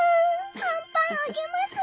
あんパンあげます。